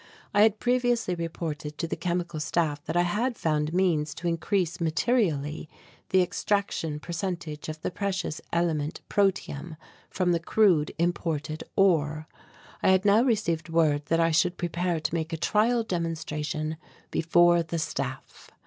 I had previously reported to the Chemical Staff that I had found means to increase materially the extraction percentage of the precious element protium from the crude imported ore. I had now received word that I should prepare to make a trial demonstration before the Staff.